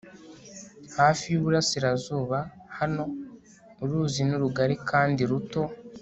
hafi yuburasirazuba. hano, uruzi ni rugari kandi ruto